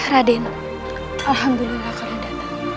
raden alhamdulillah kalian datang